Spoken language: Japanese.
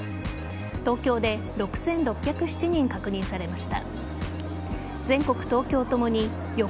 東京で６６０７人確認されました。